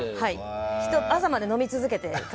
朝まで飲み続けて。